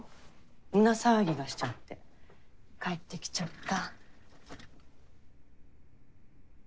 胸騒ぎがしちゃって帰って来ちゃった。